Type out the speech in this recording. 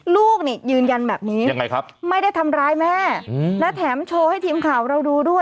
ลูกนี่ยืนยันแบบนี้ยังไงครับไม่ได้ทำร้ายแม่และแถมโชว์ให้ทีมข่าวเราดูด้วย